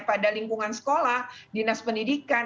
pada lingkungan sekolah dinas pendidikan